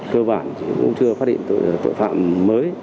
cơ bản cũng chưa phát hiện tội phạm mới